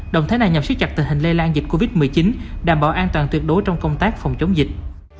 động thái này nhằm siết chặt tình hình lây lan dịch covid một mươi chín đảm bảo an toàn tuyệt đối trong công tác phòng chống dịch